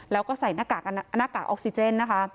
แล้วก็ใส่หน้ากากออกซิเจนนะคะ